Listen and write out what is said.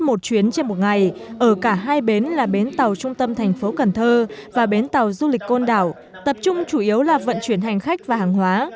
một chuyến trên một ngày ở cả hai bến là bến tàu trung tâm thành phố cần thơ và bến tàu du lịch côn đảo tập trung chủ yếu là vận chuyển hành khách và hàng hóa